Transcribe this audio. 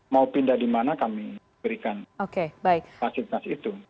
mau pindah di mana kami berikan fasilitas itu